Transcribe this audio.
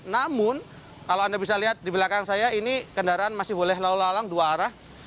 namun kalau anda bisa lihat di belakang saya ini kendaraan masih boleh lalu lalang dua arah